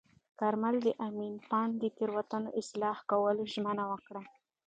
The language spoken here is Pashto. کارمل د امین بانډ د تېروتنو اصلاح کولو ژمنه وکړه.